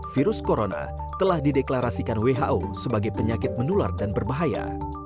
virus corona telah dideklarasikan who sebagai penyakit menular dan berbahaya